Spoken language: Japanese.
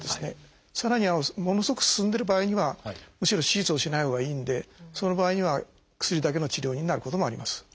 さらにはものすごく進んでる場合にはむしろ手術をしないほうがいいんでその場合には薬だけの治療になることもあります。